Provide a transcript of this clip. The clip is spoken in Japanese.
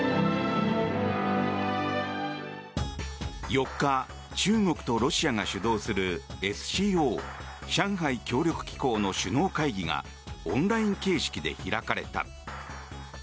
４日中国とロシアが主導するＳＣＯ・上海協力機構の首脳会議がオンライン形式で開かれた。